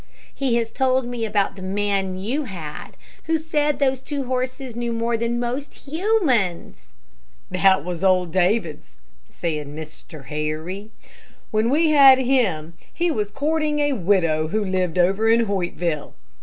He has told me about the man you had, who said that those two horses knew more than most 'humans.'" "That was old Davids," said Mr. Harry; "when we had him, he was courting a widow who lived over in Hoytville.